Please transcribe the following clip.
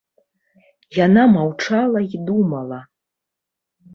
Яна маўчала і думала.